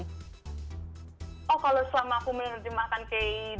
oh kalau selama aku menerjemahkan kain